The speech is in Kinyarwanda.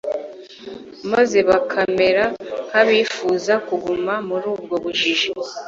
maze bakamera nkabifuza kuguma muri ubwo bujiji